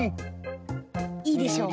いいでしょ？